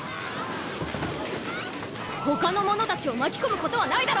他の者たちを巻き込むことはないだろう！